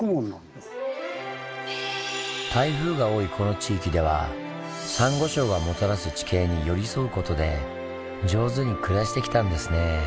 台風が多いこの地域ではサンゴ礁がもたらす地形に寄り添うことで上手に暮らしてきたんですねぇ。